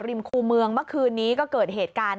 คู่เมืองเมื่อคืนนี้ก็เกิดเหตุการณ์